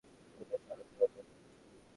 এটা সরাতে হবে।